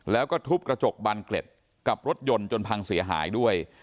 แล้วก็ทุบกระจกบานเกล็ดกับรถยนต์จนพังเสียหายด้วย